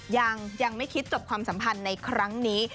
ยังไม่คิดจบความสัมพันธ์ในครั้งนี้